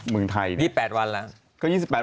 มี๘วันแล้ว